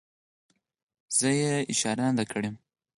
زه یې اشارې نه دي کړې.